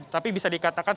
tapi bisa dikatakan